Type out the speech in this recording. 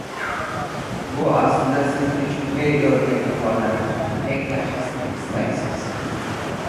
Bu aslida siz uchun meʼyordagi holat – eng yaxshisini istaysiz.